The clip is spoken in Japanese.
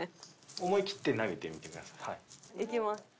思いきって投げてみてください。いきます。